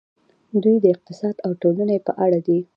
دوی د اقتصاد او ټولنې په اړه دي.